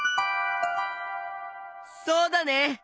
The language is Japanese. そうだね！